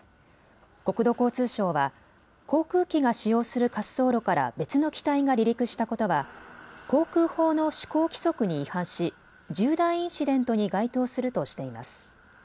国土交通省は航空機が使用する滑走路から別の機体が離陸したことは航空法の施行規則に違反し重大インシデントに該当するとしています。